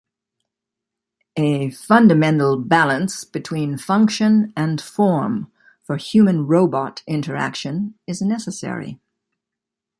A fundamental balance between function and form for human-robot interaction is necessary.